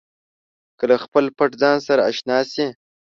که له خپل پټ ځان سره اشنا شئ.